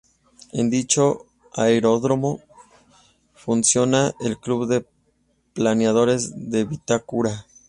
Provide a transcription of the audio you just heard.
En dicho aeródromo funciona el Club de Planeadores de Vitacura.